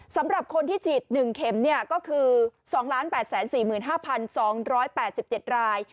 สำหรับคนที่ฉีด๑เข็มก็คือ๒๘๔๕๒๘๗ราย